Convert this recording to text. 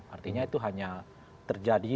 artinya itu hanya terjadi